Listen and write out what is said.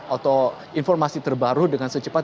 atau informasi terbaru dengan secepat